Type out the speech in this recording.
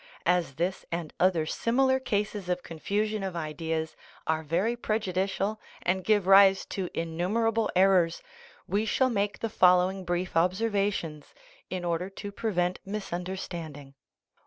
As this and other similar cases of confu sion of ideas are very prejudicial, .and give rise to in numerable errors, we shall make the following brief observations, in order to prevent misunderstanding : I.